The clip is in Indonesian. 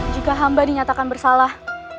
jika hamba dinyatakan bersalah